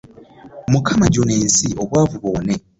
Mukama juna ensi yo obwavu buwone.